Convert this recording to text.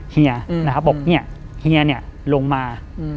เฮียนะครับบอกเฮียลงมา